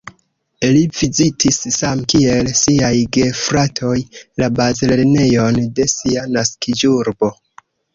Li vizitis same kiel siaj gefratoj la bazlernejon de sia naskiĝurbo.